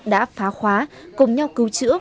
đã phá khóa cùng nhau cứu chữa